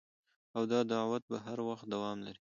او دا دعوت به هر وخت دوام لري